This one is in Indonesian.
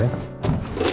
gue nggak mau